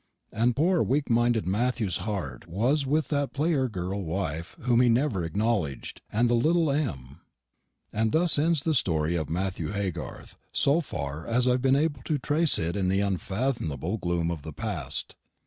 And poor weak minded Matthew's heart was with that player girl wife whom he never acknowledged, and the little M. And thus ends the story of Matthew Haygarth, so far as I have been able to trace it in the unfathomable gloom of the past.